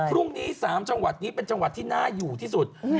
พรุ่งนี้๓จังหวัดนี้เป็นจังหวัดที่น่าอยู่ที่สุด